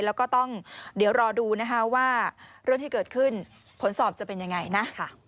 แล้วก็ต้องเดี๋ยวรอดูนะคะว่าเรื่องที่เกิดขึ้นผลสอบจะเป็นยังไงนะ